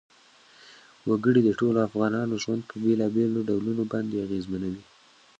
وګړي د ټولو افغانانو ژوند په بېلابېلو ډولونو باندې اغېزمنوي.